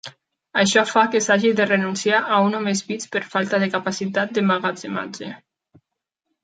Això fa que s'hagi de renunciar a un o més bits per falta de capacitat d'emmagatzematge.